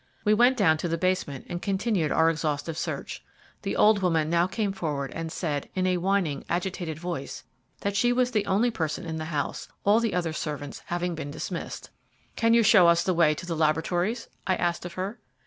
We went down to the basement and continued our exhaustive search. The old woman now came forward and said, in a whining, agitated voice, that she was the only person in the house, all the other servants having been dismissed. "Can you show us the way to the laboratories?" I asked of her.